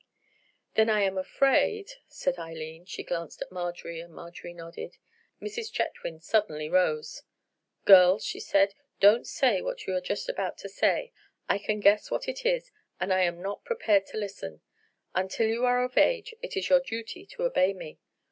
"Then I am afraid——" said Eileen. She glanced at Marjorie, and Marjorie nodded. Mrs. Chetwynd suddenly rose. "Girls," she said, "don't say what you are just about to say. I can guess what it is, and I am not prepared to listen. Until you are of age it is your duty to obey me.